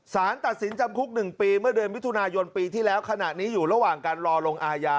สารตัดสินจำคุก๑ปีเมื่อเดือนมิถุนายนปีที่แล้วขณะนี้อยู่ระหว่างการรอลงอาญา